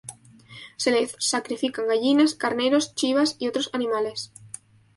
Se le sacrifican gallinas, carneros, chivas y otros animales.